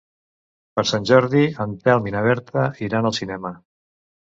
Per Sant Jordi en Telm i na Berta iran al cinema.